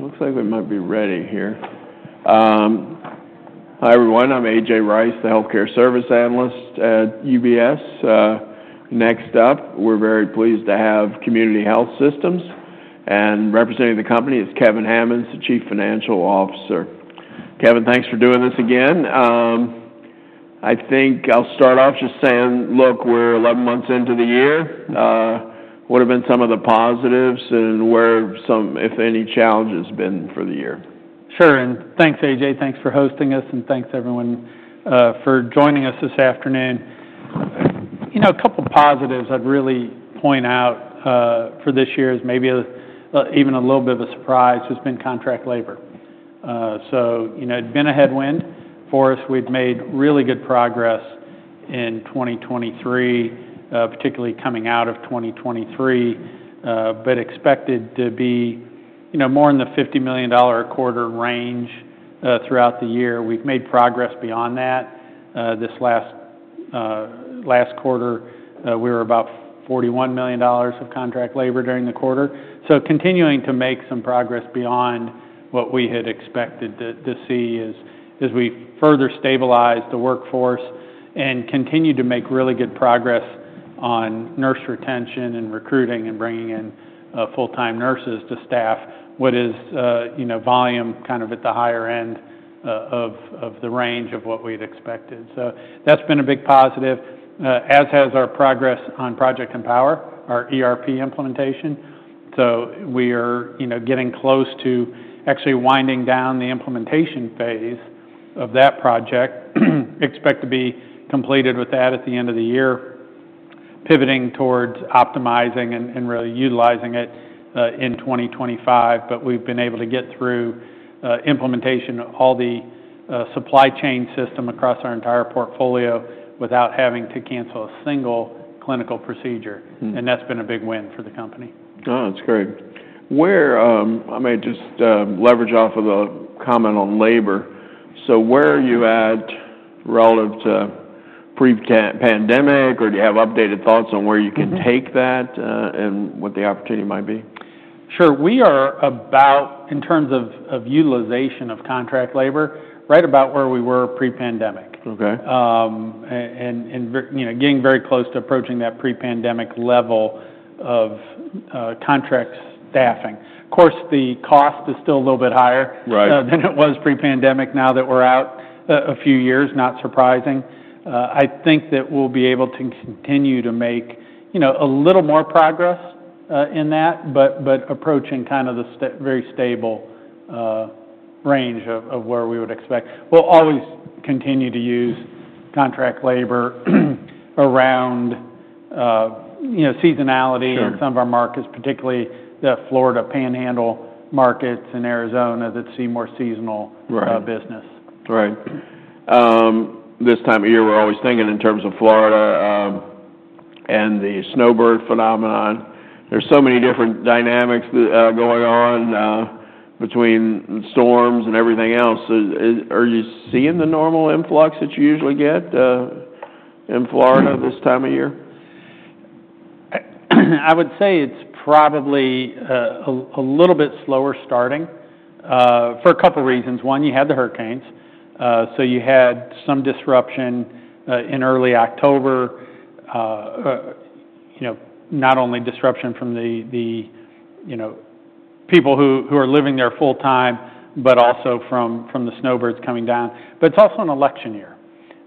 Looks like we might be ready here. Hi, everyone. I'm A.J. Rice, the Healthcare Services Analyst at UBS. Next up, we're very pleased to have Community Health Systems, and representing the company is Kevin Hammons, the Chief Financial Officer. Kevin, thanks for doing this again. I think I'll start off just saying, look, we're 11 months into the year. What have been some of the positives and where some, if any, challenges been for the year? Sure. And thanks, A.J. Thanks for hosting us, and thanks, everyone, for joining us this afternoon. A couple of positives I'd really point out for this year is maybe even a little bit of a surprise has been contract labor. So it's been a headwind for us. We've made really good progress in 2023, particularly coming out of 2023, but expected to be more in the $50 million a quarter range throughout the year. We've made progress beyond that. This last quarter, we were about $41 million of contract labor during the quarter. So continuing to make some progress beyond what we had expected to see as we further stabilize the workforce and continue to make really good progress on nurse retention and recruiting and bringing in full-time nurses to staff, what is volume kind of at the higher end of the range of what we had expected. So that's been a big positive, as has our progress on Project Empower, our ERP implementation. So we are getting close to actually winding down the implementation phase of that project. Expect to be completed with that at the end of the year, pivoting towards optimizing and really utilizing it in 2025. But we've been able to get through implementation of all the supply chain system across our entire portfolio without having to cancel a single clinical procedure. And that's been a big win for the company. Oh, that's great. I may just leverage off of the comment on labor. So where are you at relative to pre-pandemic, or do you have updated thoughts on where you can take that and what the opportunity might be? Sure. We are about, in terms of utilization of contract labor, right about where we were pre-pandemic and getting very close to approaching that pre-pandemic level of contract staffing. Of course, the cost is still a little bit higher than it was pre-pandemic now that we're out a few years, not surprising. I think that we'll be able to continue to make a little more progress in that, but approaching kind of the very stable range of where we would expect. We'll always continue to use contract labor around seasonality in some of our markets, particularly the Florida Panhandle markets in Arizona that see more seasonal business. Right. This time of year, we're always thinking in terms of Florida and the snowbird phenomenon. There's so many different dynamics going on between storms and everything else. Are you seeing the normal influx that you usually get in Florida this time of year? I would say it's probably a little bit slower starting for a couple of reasons. One, you had the hurricanes, so you had some disruption in early October, not only disruption from the people who are living there full time, but also from the snowbirds coming down, but it's also an election year,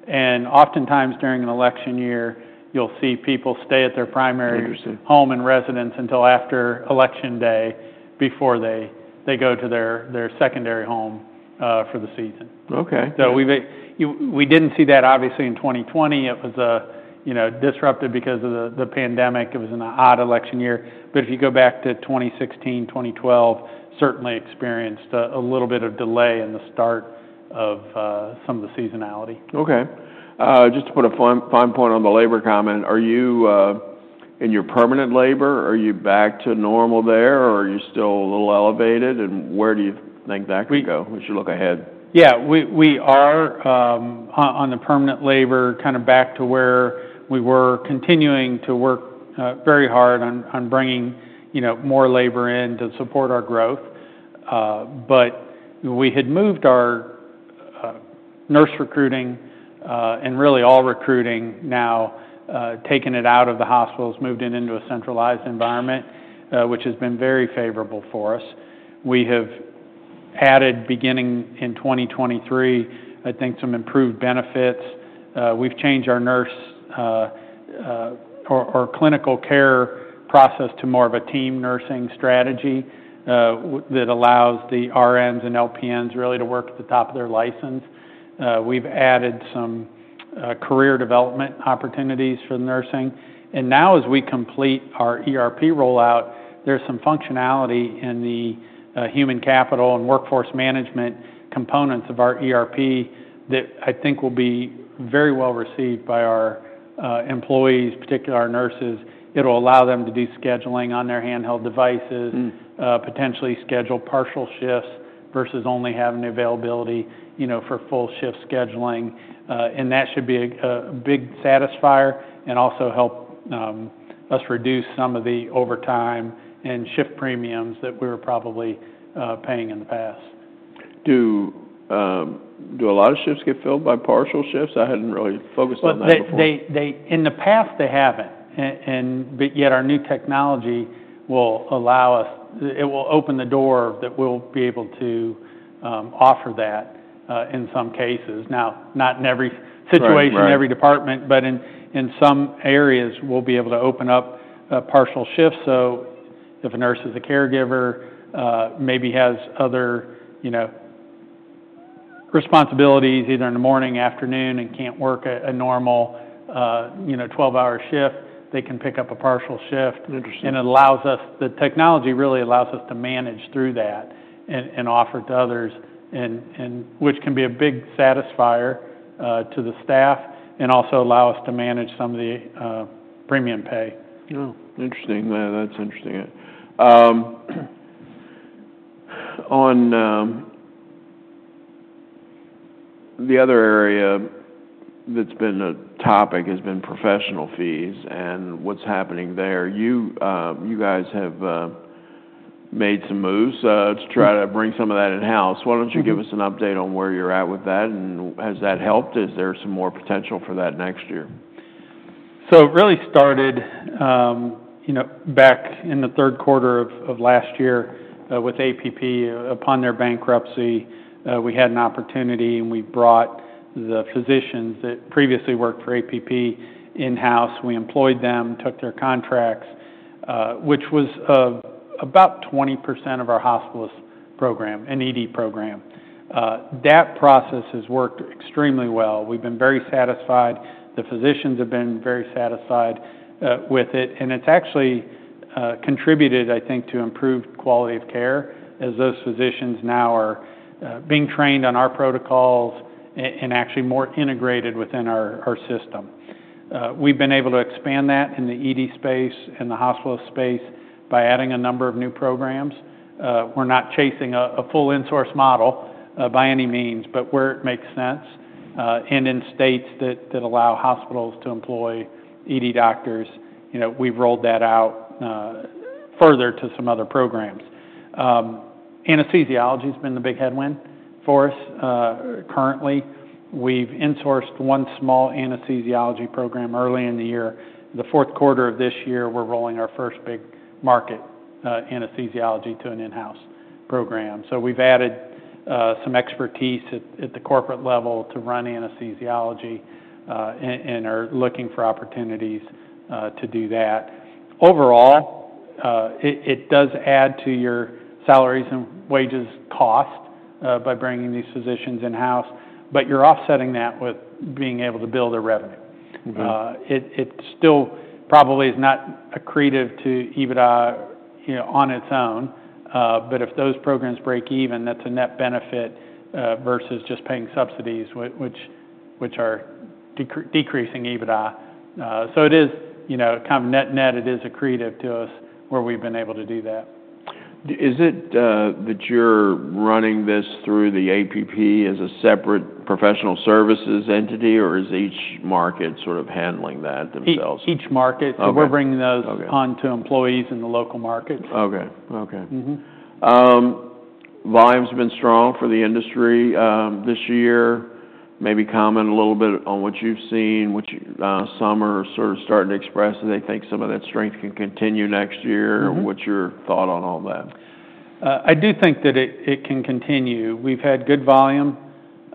and oftentimes during an election year, you'll see people stay at their primary home and residence until after election day before they go to their secondary home for the season, so we didn't see that, obviously, in 2020. It was disrupted because of the pandemic. It was an odd election year, but if you go back to 2016, 2012, certainly experienced a little bit of delay in the start of some of the seasonality. Okay. Just to put a fine point on the labor comment, are you in your permanent labor? Are you back to normal there, or are you still a little elevated? And where do you think that could go as you look ahead? Yeah. We are on the permanent labor kind of back to where we were continuing to work very hard on bringing more labor in to support our growth. But we had moved our nurse recruiting and really all recruiting now, taken it out of the hospitals, moved it into a centralized environment, which has been very favorable for us. We have added, beginning in 2023, I think some improved benefits. We've changed our nurse or clinical care process to more of a team nursing strategy that allows the RNs and LPNs really to work at the top of their license. We've added some career development opportunities for the nursing. And now, as we complete our ERP rollout, there's some functionality in the human capital and workforce management components of our ERP that I think will be very well received by our employees, particularly our nurses. It'll allow them to do scheduling on their handheld devices, potentially schedule partial shifts versus only having availability for full shift scheduling, and that should be a big satisfier and also help us reduce some of the overtime and shift premiums that we were probably paying in the past. Do a lot of shifts get filled by partial shifts? I hadn't really focused on that before. In the past, they haven't, but yet our new technology will allow us. It will open the door that we'll be able to offer that in some cases. Now, not in every situation, every department, but in some areas, we'll be able to open up partial shifts, so if a nurse is a caregiver, maybe has other responsibilities either in the morning, afternoon, and can't work a normal 12-hour shift, they can pick up a partial shift, and it allows us. The technology really allows us to manage through that and offer it to others, which can be a big satisfier to the staff and also allow us to manage some of the premium pay. Interesting. That's interesting. On the other area that's been a topic has been professional fees and what's happening there. You guys have made some moves to try to bring some of that in-house. Why don't you give us an update on where you're at with that, and has that helped? Is there some more potential for that next year? So it really started back in the third quarter of last year with APP. Upon their bankruptcy, we had an opportunity, and we brought the physicians that previously worked for APP in-house. We employed them, took their contracts, which was about 20% of our hospitalist program, an ED program. That process has worked extremely well. We've been very satisfied. The physicians have been very satisfied with it. And it's actually contributed, I think, to improved quality of care as those physicians now are being trained on our protocols and actually more integrated within our system. We've been able to expand that in the ED space and the hospital space by adding a number of new programs. We're not chasing a full insource model by any means, but where it makes sense and in states that allow hospitals to employ ED doctors, we've rolled that out further to some other programs. Anesthesiology has been the big headwind for us currently. We've insourced one small anesthesiology program early in the year. The fourth quarter of this year, we're rolling our first big market anesthesiology to an in-house program. So we've added some expertise at the corporate level to run anesthesiology and are looking for opportunities to do that. Overall, it does add to your salaries and wages cost by bringing these physicians in-house, but you're offsetting that with being able to build a revenue. It still probably is not accretive to EBITDA on its own, but if those programs break even, that's a net benefit versus just paying subsidies, which are decreasing EBITDA. So it is kind of net-net. It is accretive to us where we've been able to do that. Is it that you're running this through the APP as a separate professional services entity, or is each market sort of handling that themselves? Each market, so we're bringing those on to employees in the local market. Okay. Volume's been strong for the industry this year. Maybe comment a little bit on what you've seen, which some are sort of starting to express that they think some of that strength can continue next year. What's your thought on all that? I do think that it can continue. We've had good volume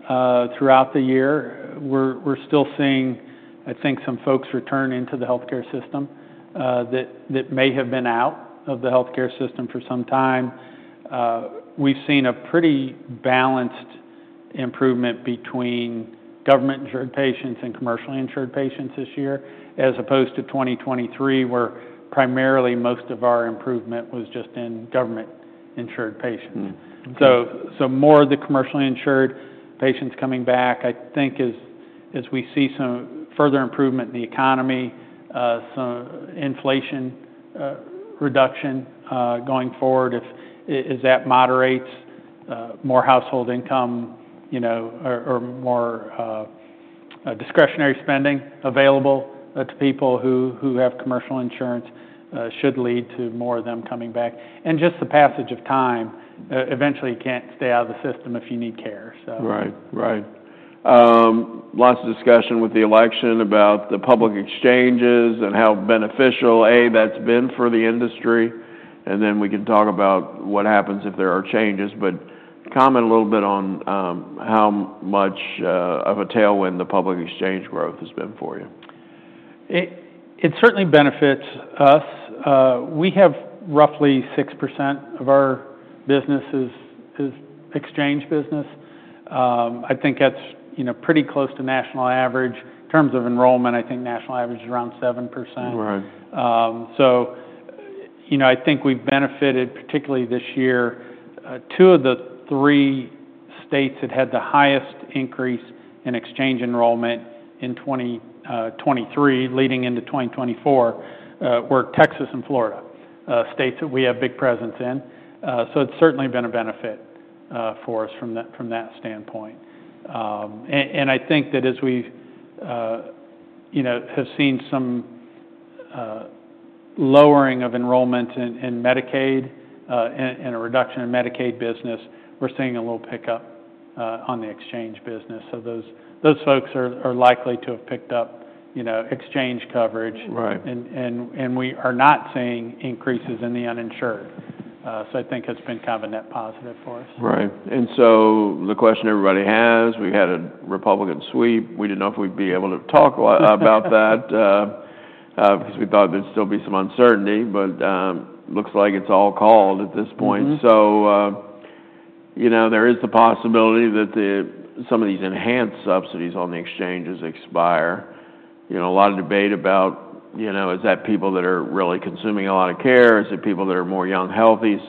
throughout the year. We're still seeing, I think, some folks return into the healthcare system that may have been out of the healthcare system for some time. We've seen a pretty balanced improvement between government-insured patients and commercially insured patients this year, as opposed to 2023, where primarily most of our improvement was just in government-insured patients, so more of the commercially insured patients coming back, I think, as we see some further improvement in the economy, some inflation reduction going forward, if that moderates more household income or more discretionary spending available to people who have commercial insurance, should lead to more of them coming back, and just the passage of time. Eventually, you can't stay out of the system if you need care. Right. Lots of discussion with the election about the public exchanges and how beneficial that's been for the industry, and then we can talk about what happens if there are changes, but comment a little bit on how much of a tailwind the public exchange growth has been for you. It certainly benefits us. We have roughly 6% of our business is exchange business. I think that's pretty close to national average. In terms of enrollment, I think national average is around 7%. So I think we've benefited, particularly this year. Two of the three states that had the highest increase in exchange enrollment in 2023, leading into 2024, were Texas and Florida, states that we have big presence in. So it's certainly been a benefit for us from that standpoint. And I think that as we have seen some lowering of enrollment in Medicaid and a reduction in Medicaid business, we're seeing a little pickup on the exchange business. So those folks are likely to have picked up exchange coverage, and we are not seeing increases in the uninsured, so I think it's been kind of a net positive for us. Right, and so the question everybody has: we had a Republican sweep. We didn't know if we'd be able to talk about that because we thought there'd still be some uncertainty, but looks like it's all called at this point, so there is the possibility that some of these enhanced subsidies on the exchanges expire. A lot of debate about, is that people that are really consuming a lot of care? Is it people that are more young healthies?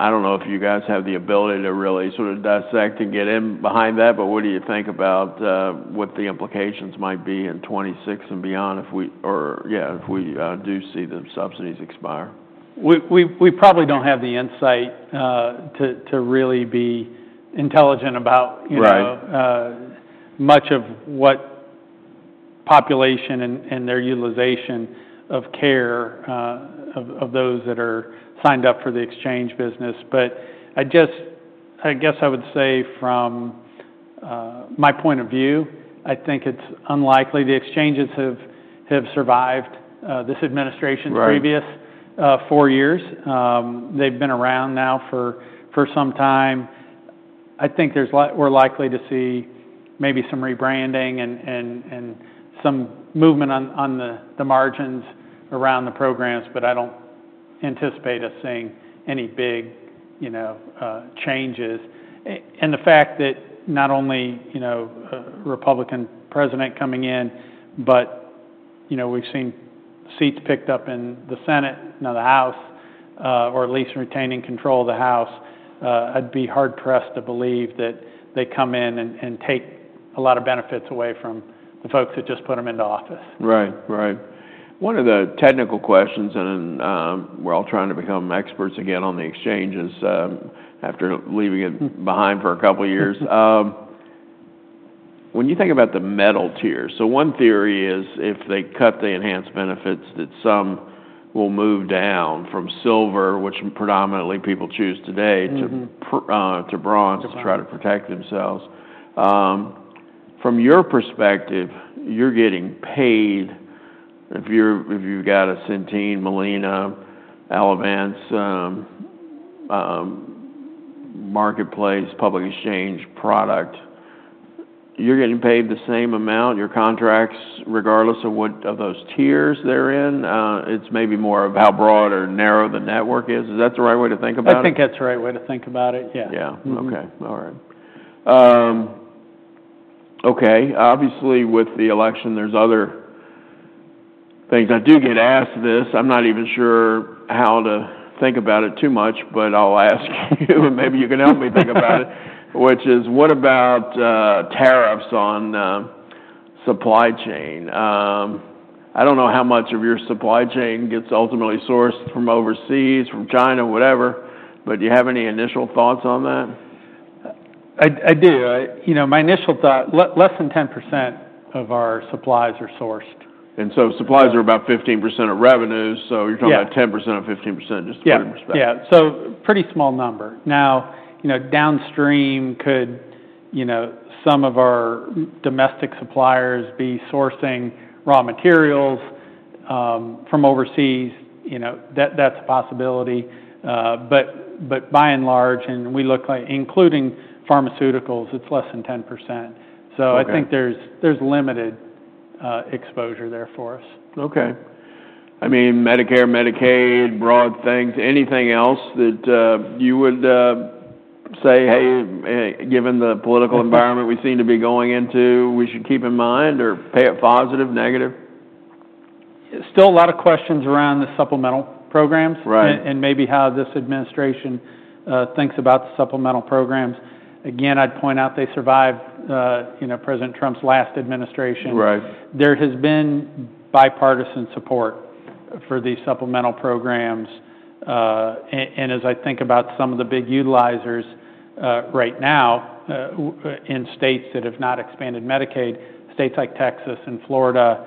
I don't know if you guys have the ability to really sort of dissect and get in behind that, but what do you think about what the implications might be in 2026 and beyond, yeah, if we do see the subsidies expire? We probably don't have the insight to really be intelligent about much of what population and their utilization of care of those that are signed up for the exchange business, but I guess I would say from my point of view, I think it's unlikely the exchanges have survived this administration's previous four years. They've been around now for some time. I think we're likely to see maybe some rebranding and some movement on the margins around the programs, but I don't anticipate us seeing any big changes, and the fact that not only Republican president coming in, but we've seen seats picked up in the Senate, now the House, or at least retaining control of the House, I'd be hard-pressed to believe that they come in and take a lot of benefits away from the folks that just put them into office. Right. One of the technical questions, and we're all trying to become experts again on the exchanges after leaving it behind for a couple of years. When you think about the metal tiers, so one theory is if they cut the enhanced benefits, that some will move down from silver, which predominantly people choose today, to bronze to try to protect themselves. From your perspective, you're getting paid if you've got a Centene, Molina, Elevance, Marketplace, public exchange product, you're getting paid the same amount, your contracts, regardless of what of those tiers they're in? It's maybe more of how broad or narrow the network is. Is that the right way to think about it? I think that's the right way to think about it. Yeah. Yeah. Okay. All right. Okay. Obviously, with the election, there's other things. I do get asked this. I'm not even sure how to think about it too much, but I'll ask you, and maybe you can help me think about it, which is what about tariffs on supply chain? I don't know how much of your supply chain gets ultimately sourced from overseas, from China, whatever, but do you have any initial thoughts on that? I do. My initial thought, less than 10% of our supplies are sourced. Supplies are about 15% of revenues. You're talking about 10% of 15% just to put it in perspective. Yeah. So pretty small number. Now, downstream, could some of our domestic suppliers be sourcing raw materials from overseas? That's a possibility. But by and large, and we look like, including pharmaceuticals, it's less than 10%. So I think there's limited exposure there for us. Okay. I mean, Medicare, Medicaid, broad things. Anything else that you would say, "Hey, given the political environment we seem to be going into, we should keep in mind," or pay it positive, negative? Still a lot of questions around the supplemental programs and maybe how this administration thinks about the supplemental programs. Again, I'd point out they survived President Trump's last administration. There has been bipartisan support for these supplemental programs. And as I think about some of the big utilizers right now in states that have not expanded Medicaid, states like Texas and Florida,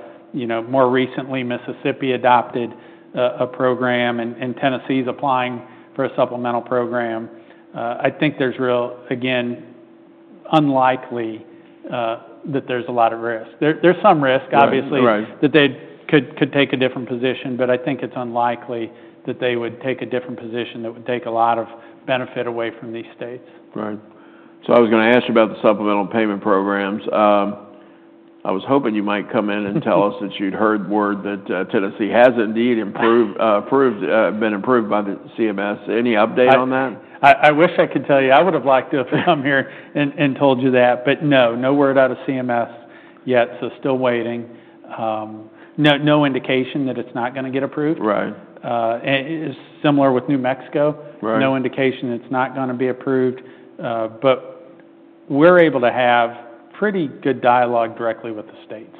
more recently, Mississippi adopted a program, and Tennessee's applying for a supplemental program. I think there's real, again, unlikely that there's a lot of risk. There's some risk, obviously, that they could take a different position, but I think it's unlikely that they would take a different position that would take a lot of benefit away from these states. Right. So I was going to ask you about the supplemental payment programs. I was hoping you might come in and tell us that you'd heard word that Tennessee has indeed been approved by the CMS. Any update on that? I wish I could tell you. I would have liked to have come here and told you that, but no, no word out of CMS yet, so still waiting. No indication that it's not going to get approved. It's similar with New Mexico. No indication it's not going to be approved. But we're able to have pretty good dialogue directly with the states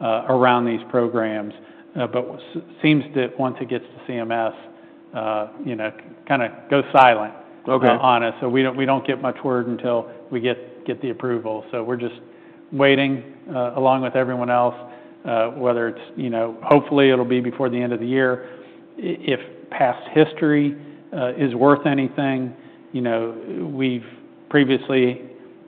around these programs, but seems that once it gets to CMS, kind of goes silent on us. So we don't get much word until we get the approval. So we're just waiting along with everyone else, whether it's hopefully it'll be before the end of the year. If past history is worth anything, we've previously,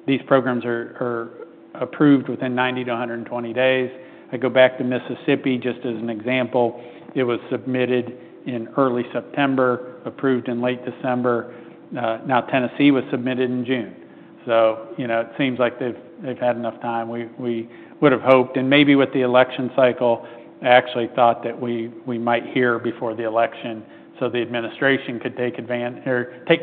these programs are approved within 90-120 days. I go back to Mississippi just as an example. It was submitted in early September, approved in late December. Now, Tennessee was submitted in June. So it seems like they've had enough time. We would have hoped. And maybe with the election cycle, I actually thought that we might hear before the election so the administration could take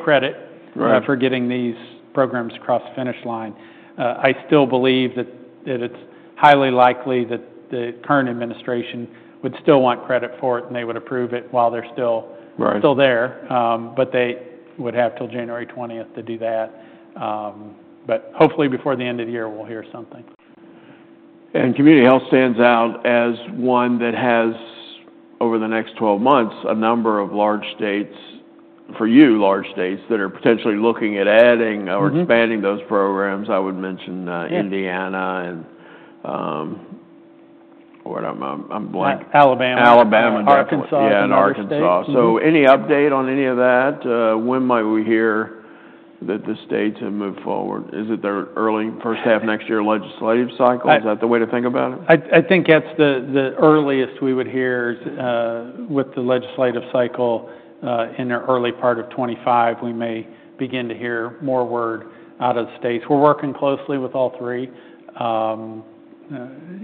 credit for getting these programs across the finish line. I still believe that it's highly likely that the current administration would still want credit for it, and they would approve it while they're still there, but they would have till January 20th to do that. But hopefully, before the end of the year, we'll hear something. Community Health Systems stands out as one that has, over the next 12 months, a number of large states for you that are potentially looking at adding or expanding those programs. I would mention Indiana and Arkansas. Like Alabama. Alabama, yeah, and Arkansas. So any update on any of that? When might we hear that the states have moved forward? Is it their early first half next year legislative cycle? Is that the way to think about it? I think that's the earliest we would hear with the legislative cycle in the early part of 2025. We may begin to hear more word out of the states. We're working closely with all three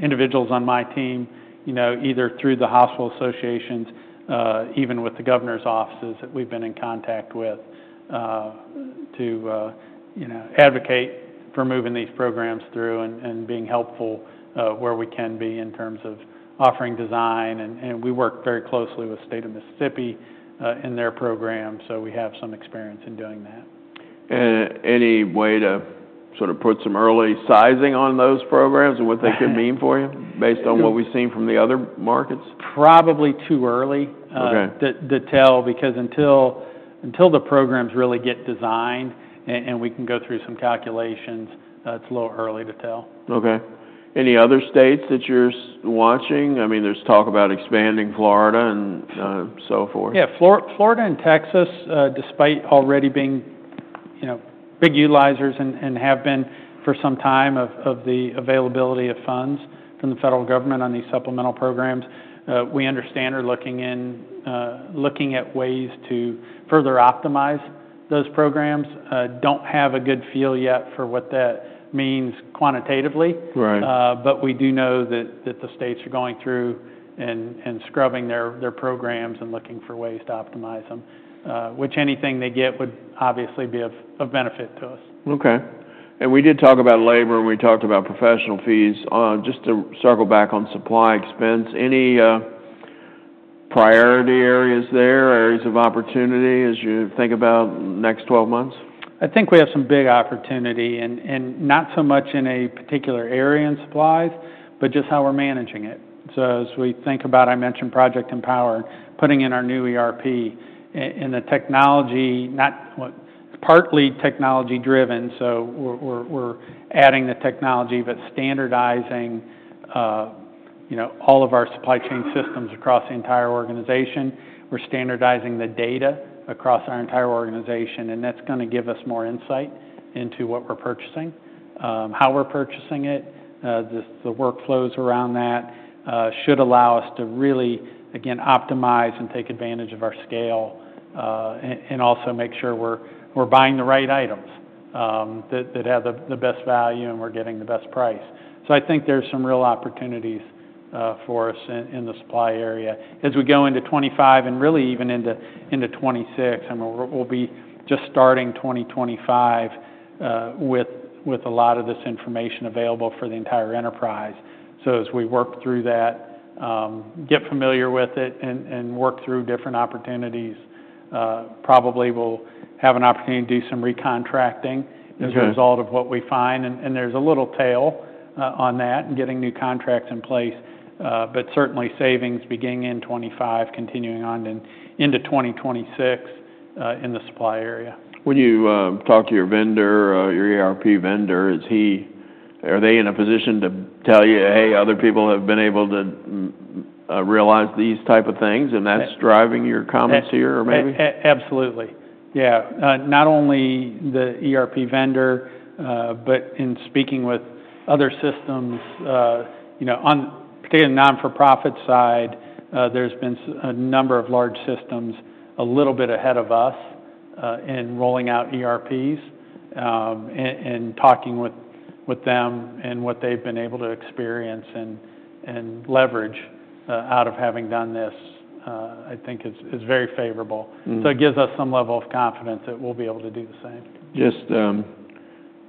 individuals on my team, either through the hospital associations, even with the governor's offices that we've been in contact with to advocate for moving these programs through and being helpful where we can be in terms of offering design, and we work very closely with the state of Mississippi in their program, so we have some experience in doing that. Any way to sort of put some early sizing on those programs and what they could mean for you based on what we've seen from the other markets? Probably too early to tell because until the programs really get designed and we can go through some calculations, it's a little early to tell. Okay. Any other states that you're watching? I mean, there's talk about expanding Florida and so forth. Yeah. Florida and Texas, despite already being big utilizers and have been for some time of the availability of funds from the federal government on these supplemental programs, we understand are looking at ways to further optimize those programs. Don't have a good feel yet for what that means quantitatively, but we do know that the states are going through and scrubbing their programs and looking for ways to optimize them, which anything they get would obviously be of benefit to us. Okay. And we did talk about labor, and we talked about professional fees. Just to circle back on supply expense, any priority areas there, areas of opportunity as you think about next 12 months? I think we have some big opportunity, and not so much in a particular area in supplies, but just how we're managing it. As we think about it, I mentioned Project Empower, putting in our new ERP and the technology, not partly technology-driven. We're adding the technology, but standardizing all of our supply chain systems across the entire organization. We're standardizing the data across our entire organization, and that's going to give us more insight into what we're purchasing, how we're purchasing it. The workflows around that should allow us to really, again, optimize and take advantage of our scale and also make sure we're buying the right items that have the best value and we're getting the best price. I think there's some real opportunities for us in the supply area as we go into 2025 and really even into 2026. I mean, we'll be just starting 2025 with a lot of this information available for the entire enterprise. So as we work through that, get familiar with it and work through different opportunities, probably we'll have an opportunity to do some recontracting as a result of what we find. And there's a little tail on that and getting new contracts in place, but certainly savings beginning in 2025, continuing on into 2026 in the supply area. When you talk to your vendor, your ERP vendor, are they in a position to tell you, "Hey, other people have been able to realize these type of things," and that's driving your comments here or maybe? Absolutely. Yeah. Not only the ERP vendor, but in speaking with other systems, particularly the not-for-profit side, there's been a number of large systems a little bit ahead of us in rolling out ERPs and talking with them and what they've been able to experience and leverage out of having done this, I think is very favorable. So it gives us some level of confidence that we'll be able to do the same. Just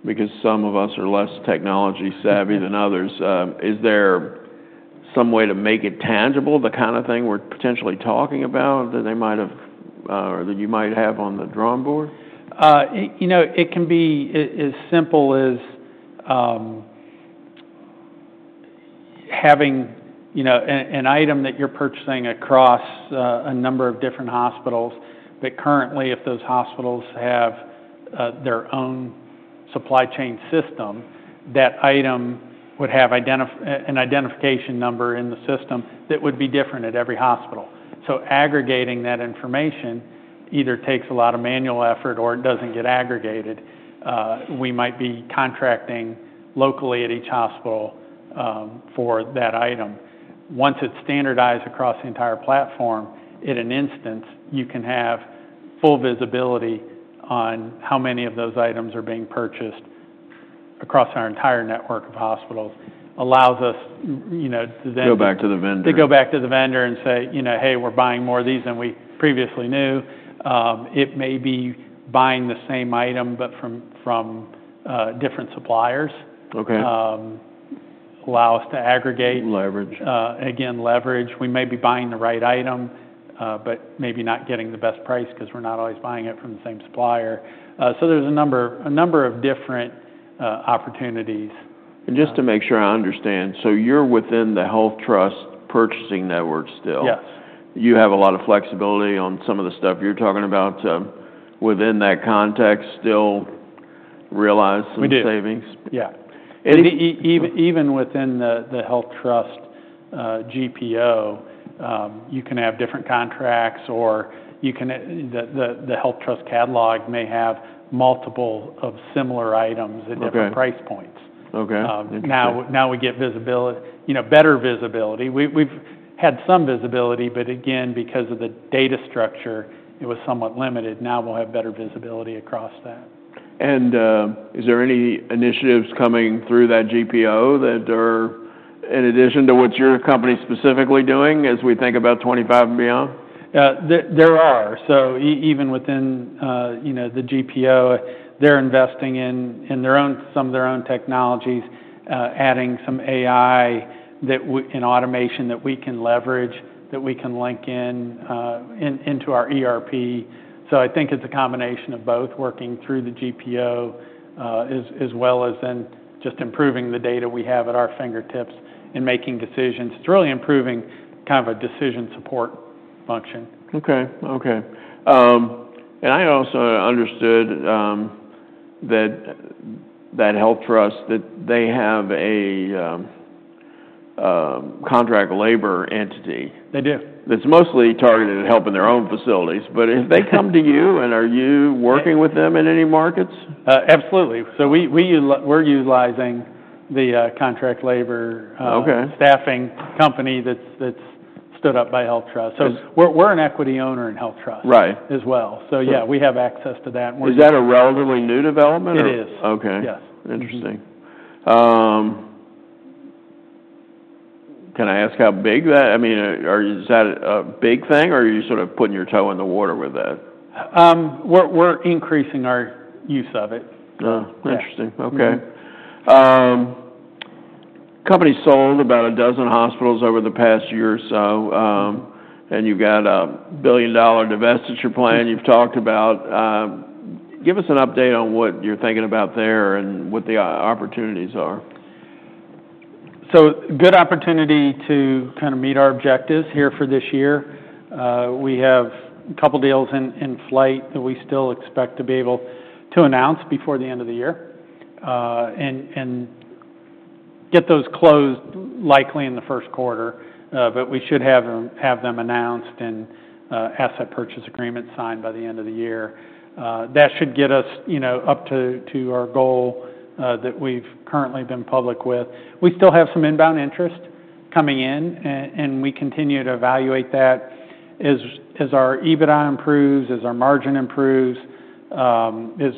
because some of us are less technology-savvy than others, is there some way to make it tangible, the kind of thing we're potentially talking about that they might have or that you might have on the drawing board? It can be as simple as having an item that you're purchasing across a number of different hospitals, but currently, if those hospitals have their own supply chain system, that item would have an identification number in the system that would be different at every hospital. So aggregating that information either takes a lot of manual effort or it doesn't get aggregated. We might be contracting locally at each hospital for that item. Once it's standardized across the entire platform, in an instant, you can have full visibility on how many of those items are being purchased across our entire network of hospitals, allows us to then. Go back to the vendor. To go back to the vendor and say, "Hey, we're buying more of these than we previously knew." It may be buying the same item, but from different suppliers, allow us to aggregate. Leverage. Again, leverage. We may be buying the right item, but maybe not getting the best price because we're not always buying it from the same supplier. So there's a number of different opportunities. Just to make sure I understand, so you're within the HealthTrust purchasing network still? Yes. You have a lot of flexibility on some of the stuff you're talking about. Within that context, still realize some savings. We do. Yeah. Even within the HealthTrust GPO, you can have different contracts or the HealthTrust catalog may have multiple of similar items at different price points. Now we get better visibility. We've had some visibility, but again, because of the data structure, it was somewhat limited. Now we'll have better visibility across that. Is there any initiatives coming through that GPO that are in addition to what your company is specifically doing as we think about 2025 and beyond? There are. So even within the GPO, they're investing in some of their own technologies, adding some AI and automation that we can leverage, that we can link into our ERP. So I think it's a combination of both working through the GPO as well as then just improving the data we have at our fingertips and making decisions. It's really improving kind of a decision support function. Okay. Okay. And I also understood that HealthTrust, that they have a contract labor entity. They do. That's mostly targeted at helping their own facilities, but if they come to you, and are you working with them in any markets? Absolutely. So we're utilizing the contract labor staffing company that's stood up by HealthTrust. So we're an equity owner in HealthTrust as well. So yeah, we have access to that. Is that a relatively new development? It is. Yes. Interesting. Can I ask how big that? I mean, is that a big thing, or are you sort of putting your toe in the water with that? We're increasing our use of it. Interesting. Okay. Company sold about a dozen hospitals over the past year or so, and you've got a $1 billion divestiture plan you've talked about. Give us an update on what you're thinking about there and what the opportunities are? So, good opportunity to kind of meet our objectives here for this year. We have a couple of deals in flight that we still expect to be able to announce before the end of the year and get those closed likely in the first quarter, but we should have them announced and asset purchase agreements signed by the end of the year. That should get us up to our goal that we've currently been public with. We still have some inbound interest coming in, and we continue to evaluate that as our EBITDA improves, as our margin improves, as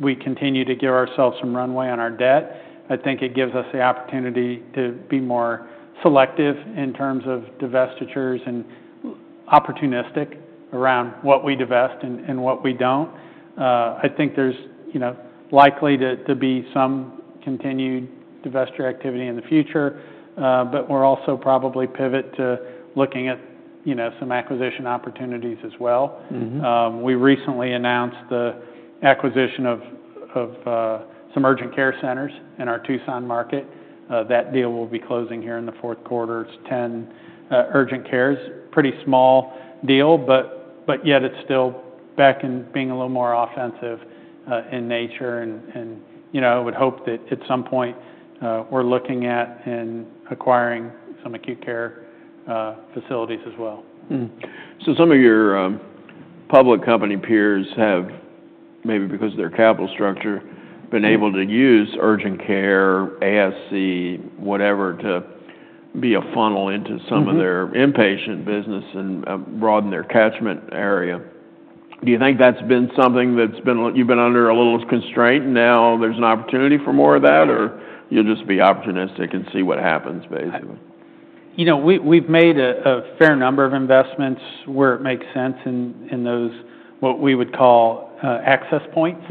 we continue to give ourselves some runway on our debt. I think it gives us the opportunity to be more selective in terms of divestitures and opportunistic around what we divest and what we don't. I think there's likely to be some continued divestiture activity in the future, but we're also probably pivot to looking at some acquisition opportunities as well. We recently announced the acquisition of some urgent care centers in our Tucson market. That deal will be closing here in the fourth quarter. It's 10 urgent cares. Pretty small deal, but yet it's still back and being a little more offensive in nature. And I would hope that at some point we're looking at acquiring some acute care facilities as well. So some of your public company peers have, maybe because of their capital structure, been able to use urgent care, ASC, whatever, to be a funnel into some of their inpatient business and broaden their catchment area. Do you think that's been something that you've been under a little constraint? Now there's an opportunity for more of that, or you'll just be opportunistic and see what happens basically? We've made a fair number of investments where it makes sense in what we would call access points.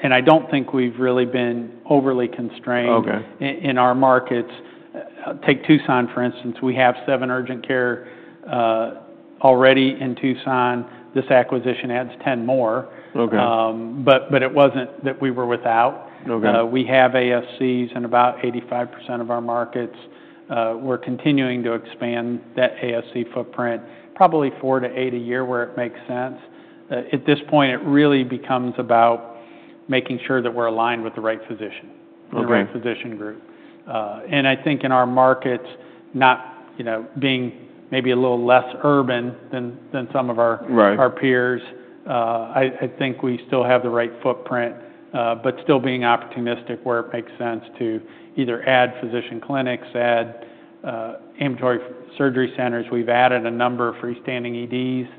And I don't think we've really been overly constrained in our markets. Take Tucson, for instance. We have seven urgent care already in Tucson. This acquisition adds 10 more, but it wasn't that we were without. We have ASCs in about 85% of our markets. We're continuing to expand that ASC footprint, probably four to eight a year where it makes sense. At this point, it really becomes about making sure that we're aligned with the right physician, the right physician group. And I think in our markets, not being maybe a little less urban than some of our peers, I think we still have the right footprint, but still being opportunistic where it makes sense to either add physician clinics, add ambulatory surgery centers. We've added a number of freestanding EDs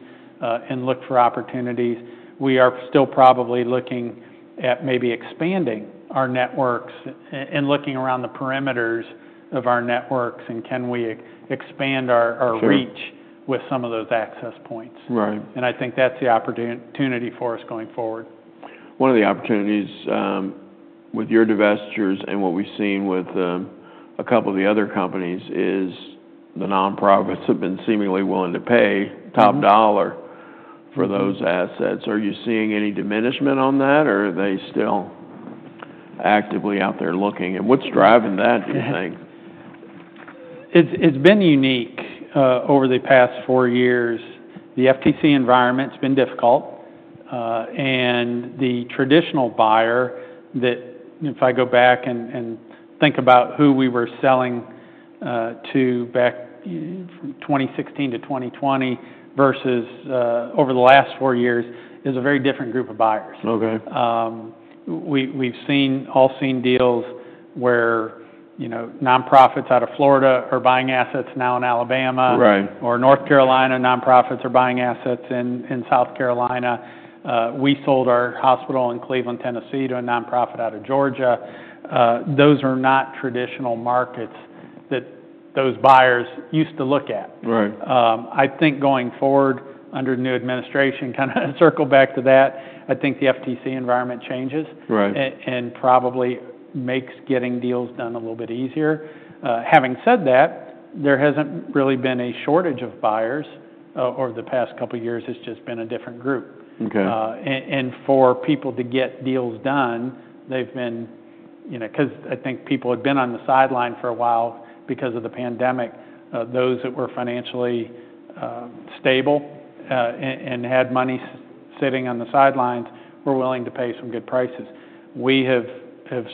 and looked for opportunities. We are still probably looking at maybe expanding our networks and looking around the perimeters of our networks, and can we expand our reach with some of those access points? And I think that's the opportunity for us going forward. One of the opportunities with your divestitures and what we've seen with a couple of the other companies is the nonprofits have been seemingly willing to pay top dollar for those assets. Are you seeing any diminishment on that, or are they still actively out there looking? And what's driving that, do you think? It's been unique over the past four years. The FTC environment's been difficult, and the traditional buyer that if I go back and think about who we were selling to back from 2016 to 2020 versus over the last four years is a very different group of buyers. We've all seen deals where nonprofits out of Florida are buying assets now in Alabama, or North Carolina nonprofits are buying assets in South Carolina. We sold our hospital in Cleveland, Tennessee, to a nonprofit out of Georgia. Those are not traditional markets that those buyers used to look at. I think going forward under new administration, kind of circle back to that, I think the FTC environment changes and probably makes getting deals done a little bit easier. Having said that, there hasn't really been a shortage of buyers over the past couple of years. It's just been a different group. For people to get deals done, they've been, because I think people had been on the sidelines for a while because of the pandemic, those that were financially stable and had money sitting on the sidelines were willing to pay some good prices. We have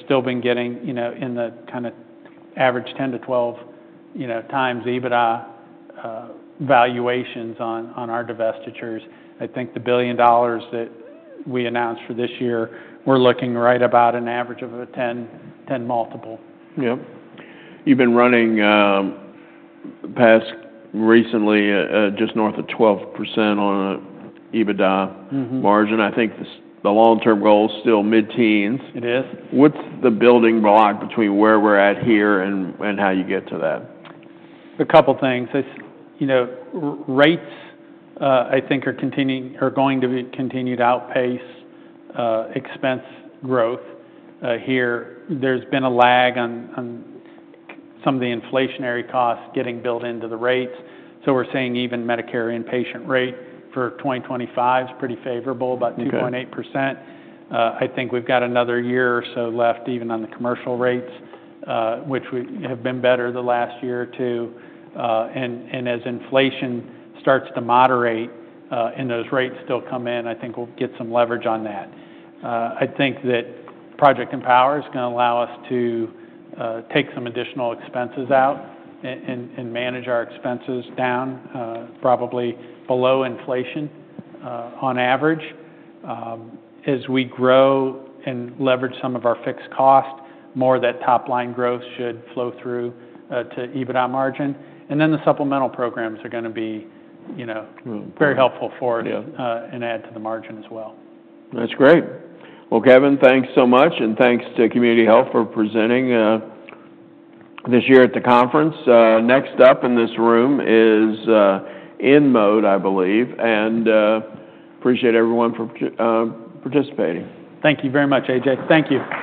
still been getting in the kind of average 10-12 times EBITDA valuations on our divestitures. I think the $1 billion that we announced for this year, we're looking right about an average of a 10 multiple. Yep. You've been running past recently just north of 12% on an EBITDA margin. I think the long-term goal is still mid-teens. It is. What's the building block between where we're at here and how you get to that? A couple of things. Rates, I think, are going to continue to outpace expense growth here. There's been a lag on some of the inflationary costs getting built into the rates. So we're seeing even Medicare inpatient rate for 2025 is pretty favorable, about 2.8%. I think we've got another year or so left even on the commercial rates, which have been better the last year or two. And as inflation starts to moderate and those rates still come in, I think we'll get some leverage on that. I think that Project Empower is going to allow us to take some additional expenses out and manage our expenses down probably below inflation on average. As we grow and leverage some of our fixed cost, more of that top-line growth should flow through to EBITDA margin. And then the supplemental programs are going to be very helpful for us and add to the margin as well. That's great. Well, Kevin, thanks so much, and thanks to Community Health for presenting this year at the conference. Next up in this room is InMode, I believe, and appreciate everyone for participating. Thank you very much, A.J. Thank you.